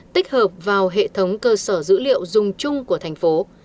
tích hợp vào hệ thống cơ sở dữ liệu dùng chung của thành phố